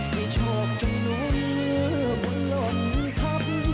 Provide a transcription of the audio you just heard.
ให้โชคจงหลุนบุญร่วนธรรม